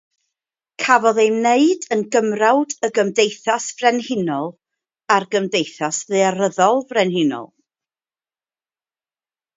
Cafodd ei wneud yn gymrawd y Gymdeithas Frenhinol a'r Gymdeithas Daearyddol Frenhinol.